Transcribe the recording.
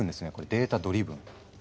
データドリブン。